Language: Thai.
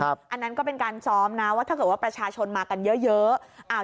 อันนั้นก็เป็นการซ้อมนะว่าถ้าเกิดว่าประชาชนมากันเยอะ